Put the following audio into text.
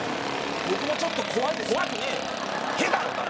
僕もちょっと怖いです怖くねえよ！